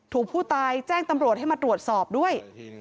ถูกผู้ตายแจ้งตำรวจให้มาตรวจสอบด้วย